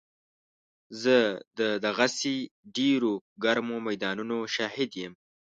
زه د دغسې ډېرو ګرمو میدانونو شاهد یم.